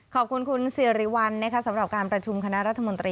ขอบคุณคุณสิริวัลสำหรับการประชุมคณะรัฐมนตรี